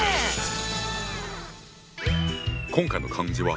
今回の漢字は。